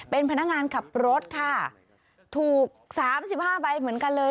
เป็นพนักงานขับรถค่ะถูกสามสิบห้าใบเหมือนกันเลย